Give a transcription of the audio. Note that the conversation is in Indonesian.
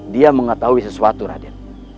dia mengetahui sesuatu raden